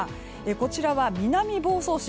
こちらは南房総市。